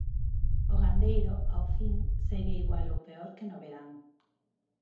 O gandeiro, ao fin, segue igual ou peor que no verán.